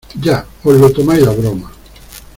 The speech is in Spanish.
Ya, os lo tomáis a broma.